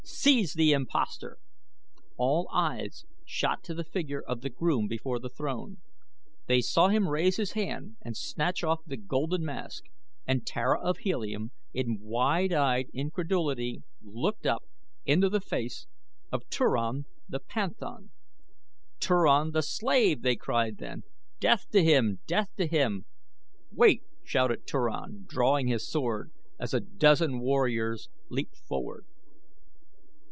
"Seize the impostor!" All eyes shot to the figure of the groom before the throne. They saw him raise his hand and snatch off the golden mask, and Tara of Helium in wide eyed incredulity looked up into the face of Turan the panthan. "Turan the slave," they cried then. "Death to him! Death to him!" "Wait!" shouted Turan, drawing his sword, as a dozen warriors leaped forward.